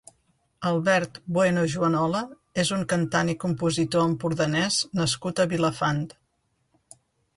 Albert Bueno Juanola és un cantant i compositor empordanès nascut a Vilafant.